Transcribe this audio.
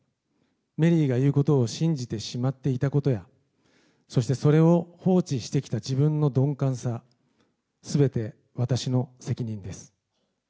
メリーが言うことを信じてしまっていたことや、そしてそれを放置してきた自分の鈍感さ、すべて私の責任です。